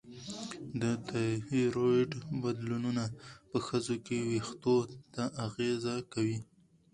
د تایروییډ بدلونونه په ښځو کې وېښتو ته اغېزه کوي.